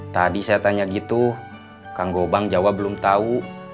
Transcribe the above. tadi saya tanya gitu kang gobang jawa belum tahu